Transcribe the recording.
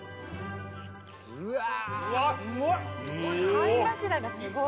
貝柱がすごっ！